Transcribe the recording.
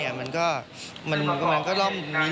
พี่โจวิสได้ทำอยู่เต็มที่